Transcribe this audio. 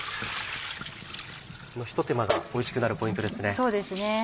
このひと手間がおいしくなるポイントですね。